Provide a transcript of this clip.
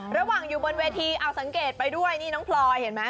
ระหว่างอยู่บนเวทีเอาสังเกตไปด้วยนี่น้องพลอยเห็นไหม